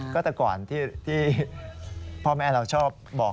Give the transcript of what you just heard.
ก็แต่ก่อนที่พ่อแม่เราชอบบอก